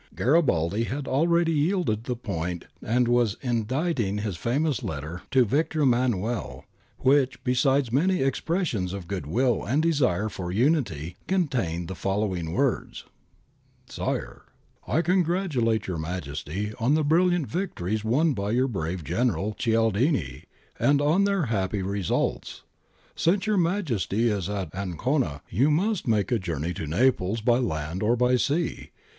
Garibaldi had already yielded the point and was inditing his famous letter to Victor Emmanuel, which, besides many expressions of goodwill and desire for unity, contained the following words :— 'Caserta, Octobtr ^, i860. ' Sire, ' I congratulate Your Majesty on the brilliant victories won by your brave General Cialdini and on their happy re sults. ... Since Your Majesty is at Ancona, you must make the journey to Naples by land or by sea.